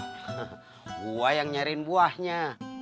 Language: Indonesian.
gua yang nyarin buahnya